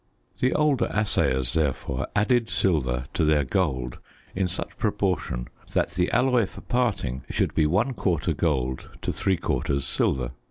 The older assayers, therefore, added silver to their gold in such proportion that the alloy for parting should be one quarter gold to three quarters silver.